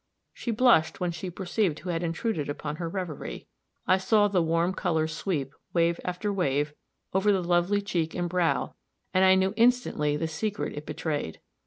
She blushed when she perceived who had intruded upon her reverie; I saw the warm color sweep, wave after wave, over the lovely cheek and brow, and I knew instantly the secret it betrayed.